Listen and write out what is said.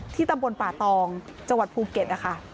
ตำบลป่าตองจังหวัดภูเก็ตนะคะ